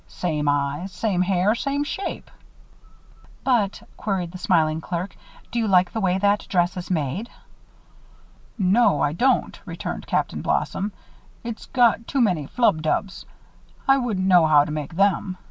Same eyes, same hair, same shape " "But," queried the smiling clerk, "do you like the way that dress is made?" "No, I don't," returned Captain Blossom. "It's got too many flub dubs. I wouldn't know how to make them.